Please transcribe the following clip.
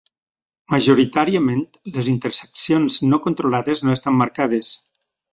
Majoritàriament, les interseccions no controlades no estan marcades.